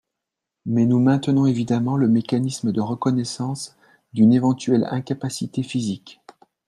Mais nous maintenons évidemment le mécanisme de reconnaissance d’une éventuelle incapacité physique.